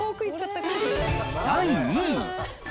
第２位。